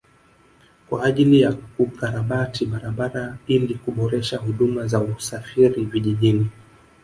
Kwa ajili ya kukarabati barabara ili kuboresha huduma za usafiri vijijini